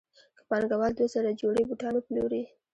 که پانګوال دوه زره جوړې بوټان وپلوري